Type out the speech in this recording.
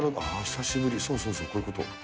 久しぶり、そうそう、こういうこと。